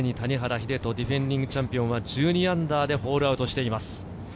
秀人・ディフェンディングチャンピオンは、−１２でホールアウトしています。